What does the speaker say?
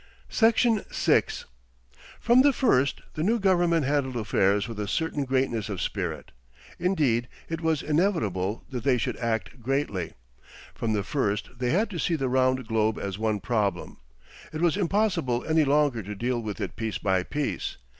Section 5 From the first the new government handled affairs with a certain greatness of spirit. Indeed, it was inevitable that they should act greatly. From the first they had to see the round globe as one problem; it was impossible any longer to deal with it piece by piece.